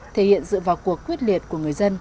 thể hiện sự vào cuộc quyết liệt của người dân